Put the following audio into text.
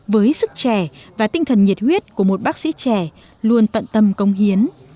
với sức trẻ và tinh thần nhiệt huyết của một bác sĩ trẻ luôn tận tâm công hiến